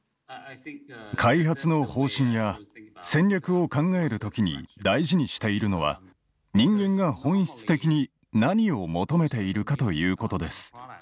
開発の方針や戦略を考える時に大事にしているのは人間が本質的に何を求めているかということです。